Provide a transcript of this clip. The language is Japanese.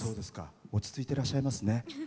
落ち着いてらっしゃいますね。